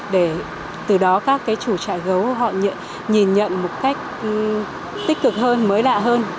để từ đó các chủ trại gấu họ nhìn nhận một cách tích cực hơn mới lạ hơn